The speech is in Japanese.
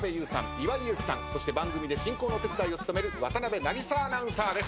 岩井勇気さんそして番組で進行のお手伝いを務める渡邊渚アナウンサーです。